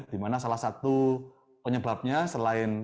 dimana salah satu penyebabnya selain